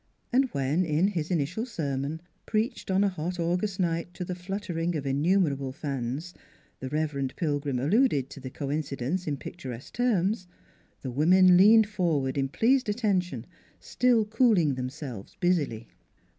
And when in his initial sermon preached on a hot August night to the fluttering of innumerable fans the Rev. Pilgrim alluded to the coincidence in pic turesque terms, the women leaned forward in pleased attention still cooling themselves busily.